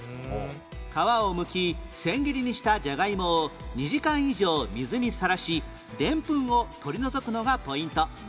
皮をむき千切りにしたじゃがいもを２時間以上水にさらしデンプンを取り除くのがポイント